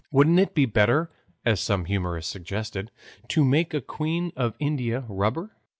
Wouldn't it be better, as some humorist suggested, to make a queen of india rubber?"